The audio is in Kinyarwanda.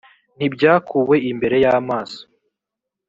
ntibyakuwe imbere y’amaso